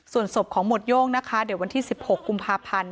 ส่วนศพของหมวดโย่งนะคะเดี๋ยววันที่๑๖กุมภาพันธ์